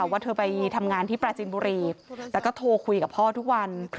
ว่าเธอไปทำงานที่ปราจินบุรีแต่ก็โทรคุยกับพ่อทุกวัน